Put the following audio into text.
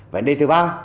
vấn đề thứ ba